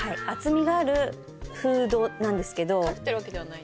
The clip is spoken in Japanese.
厚みがあるフードなんですけど。